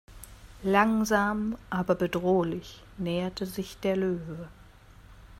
Langsam aber bedrohlich näherte sich der Löwe.